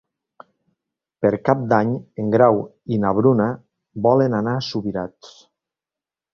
Per Cap d'Any en Grau i na Bruna volen anar a Subirats.